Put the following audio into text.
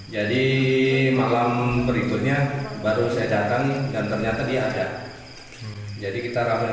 jadi kita rame rame kita tangkap